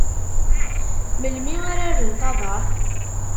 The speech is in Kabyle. Melmi ara rrent aḍar?